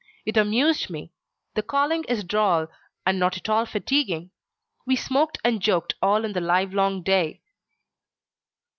It amused me. The calling is droll, and not at all fatiguing. We smoked and joked all the livelong day."